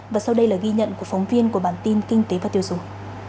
và sau đây là ghi nhận của phóng viên của bản tin kinh tế và tiêu dùng